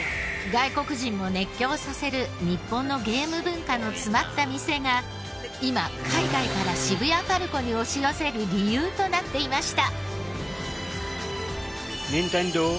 外国人も熱狂させる日本のゲーム文化の詰まった店が今海外から渋谷パルコに押し寄せる理由となっていました。